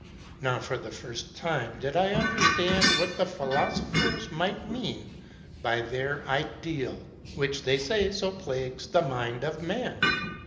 Now, for the first time, did I understand what the philosophers might mean by their ideal, which they say so plagues the mind of man.